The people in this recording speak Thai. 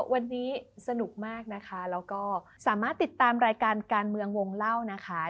วันนี้สนุกมากนะคะแล้วก็สามารถติดตามรายการการเมืองวงเล่านะคะ